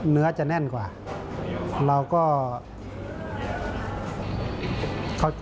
เนื้อจะแน่นกว่าเราก็เข้าใจ